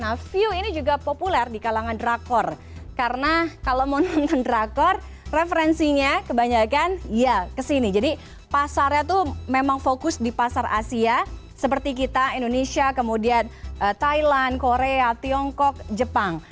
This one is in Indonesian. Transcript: nah view ini juga populer di kalangan drakor karena kalau mau nonton drakor referensinya kebanyakan ya kesini jadi pasarnya tuh memang fokus di pasar asia seperti kita indonesia kemudian thailand korea tiongkok jepang